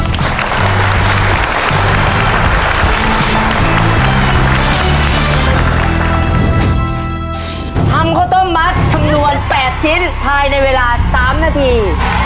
ทำข้าวต้มมัดจำนวน๘ชิ้นภายในเวลา๓นาที